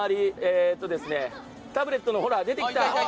タブレットに、ほら出てきた。